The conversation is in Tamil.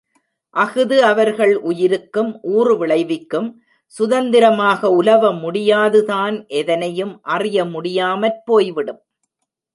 அஃது அவர்கள் உயிருக்கும் ஊறு விளைவிக்கும் சுதந்திரமாக உலவ முடியாது தான் எதனையும் அறிய முடியாமற் போய்விடும்.